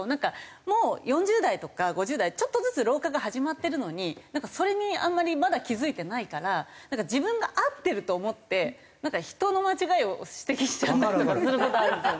もう４０代とか５０代ちょっとずつ老化が始まってるのになんかそれにあんまりまだ気付いてないから自分が合ってると思って人の間違いを指摘しちゃったりとかする事あるんですよね。